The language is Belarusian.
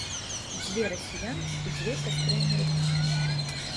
Дзве расіянкі і дзве сястры-амерыканкі.